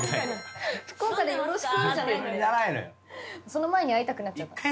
その前に会いたくなっちゃった。